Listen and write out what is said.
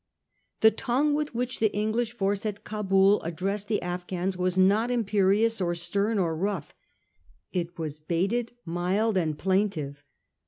The tongue with which the English force at Cabul addressed the Afghans was not imperious or stem or rough. It was bated, mild and plaintive.